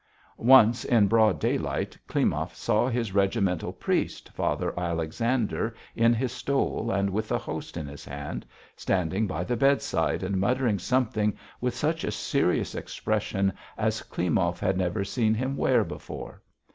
Once in broad daylight Klimov saw his regimental priest, Father Alexander, in his stole and with the host in his hands, standing by the bedside and muttering something with such a serious expression as Klimov had never seen him wear before.